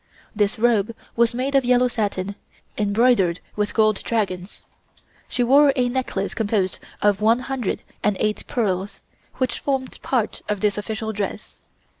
This robe was made of yellow satin, embroidered with gold dragons. She wore a necklace composed of one hundred and eight pearls, which formed part of this official dress.